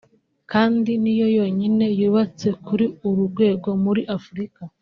kandi ni yo yonyine yubatse kuri uru rwego muri Afurika